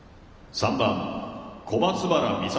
３番小松原美里